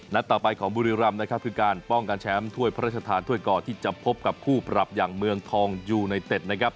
ต่อไปของบุรีรำนะครับคือการป้องกันแชมป์ถ้วยพระราชทานถ้วยก่อที่จะพบกับคู่ปรับอย่างเมืองทองยูไนเต็ดนะครับ